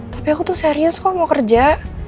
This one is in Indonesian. tapi aku tuh serius kok mau kerja